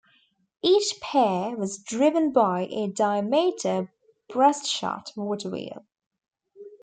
Each pair was driven by a diameter breastshot water wheel.